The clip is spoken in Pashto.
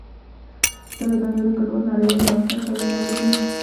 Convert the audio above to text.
ستره دنده د کډوالو نړیوال ملاتړ تامینول دي.